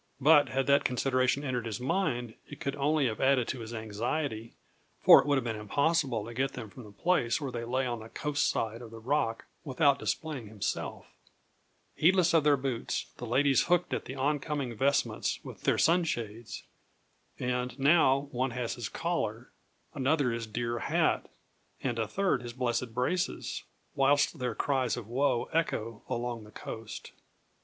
But had that consideration entered his mind, it could only have added to his anxiety: for it would have been impossible to get them from the place where they lay on the coast side of the rock without displaying himself. Heedless of their boots, the ladies hooked at the oncoming vestments with their sunshades; and, now, one has his collar, another his dear hat, and a third his blessed braces, whilst their cries of woe echo along the coast.